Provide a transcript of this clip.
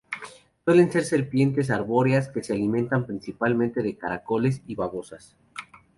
Suelen ser serpientes arbóreas que se alimentan principalmente de caracoles y babosas.